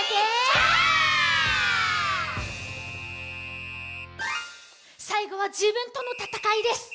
「シャー」「最後は自分とのたたかいです」